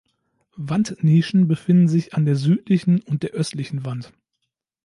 Wandnischen befinden sich an der südlichen und der östlichen Wand.